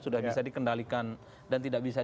sudah bisa dikendalikan dan tidak bisa